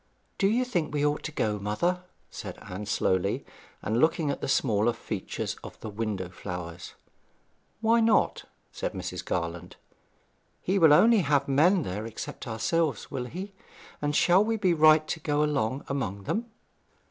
'Do you think we ought to go, mother?' said Anne slowly, and looking at the smaller features of the window flowers. 'Why not?' said Mrs. Garland. 'He will only have men there except ourselves, will he? And shall we be right to go alone among 'em?'